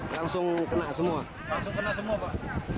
langsung kena semua pak